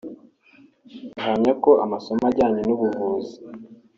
Ahamya ko amasomo ajyanye n’ubuvugizi